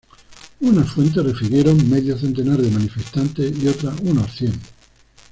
Unas fuentes refirieron medio centenar de manifestantes y otras unos cien.